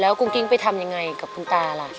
กุ้งกิ้งไปทำยังไงกับคุณตาล่ะ